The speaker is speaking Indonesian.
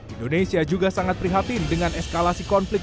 indonesia juga sangat prihatin dengan eskalasi konflik